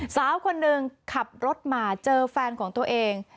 สาวคนหนึ่งขับรถมาเจอแฟนของตัวเอง